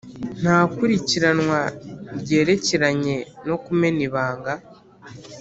Nta kurikiranwa ryerekeranye no kumena ibanga